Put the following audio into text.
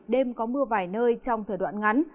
đêm có mưa vài nơi trong thời đoạn ngắn